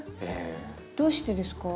どうしてですか？